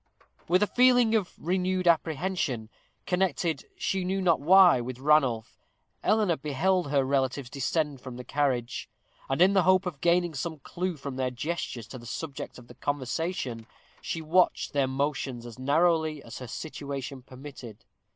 With a feeling of renewed apprehension, connected, she knew not why, with Ranulph, Eleanor beheld her relatives descend from the carriage; and, in the hope of gaining some clue from their gestures to the subject of their conversation, she watched their motions as narrowly as her situation permitted.